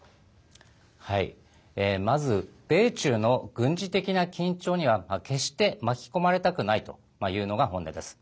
まず、米中の軍事的な緊張には決して巻き込まれたくないというのが本音です。